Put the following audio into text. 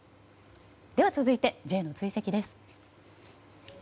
では続いて、Ｊの追跡です。